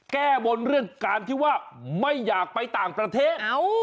แก้บนเรื่องการที่ว่าไม่อยากไปต่างประเทศ